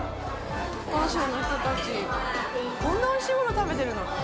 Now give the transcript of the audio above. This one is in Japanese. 広州の人たち、こんなおいしいもの食べてるの！？